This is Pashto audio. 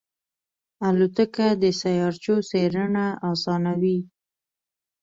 الوتکه د سیارچو څېړنه آسانوي.